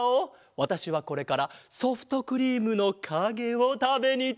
わたしはこれからソフトクリームのかげをたべにいってくるぞ。